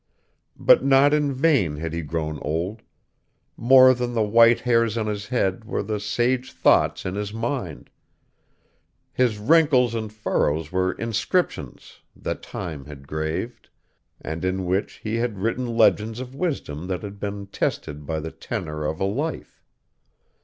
But not in vain had he grown old: more than the white hairs on his head were the sage thoughts in his mind; his wrinkles and furrows were inscriptions that Time had graved, and in which he had written legends of wisdom that had been tested by the tenor of a life.